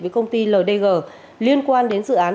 với công ty ldg liên quan đến dự án